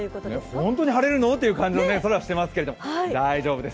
本当に晴れるの？という感じの空をしていますけれども、大丈夫です。